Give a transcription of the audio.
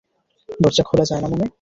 দরজা খোলা যায় না মানে?